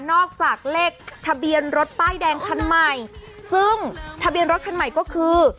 จากเลขทะเบียนรถป้ายแดงคันใหม่ซึ่งทะเบียนรถคันใหม่ก็คือ